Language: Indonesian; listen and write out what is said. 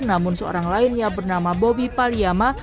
namun seorang lain yang bernama bobby palyama